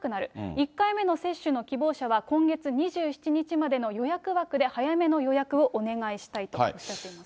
１回目の接種の希望者は今月２７日までの予約枠で、早めの予約をお願いしたいとおっしゃっています。